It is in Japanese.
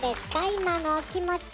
今のお気持ちは。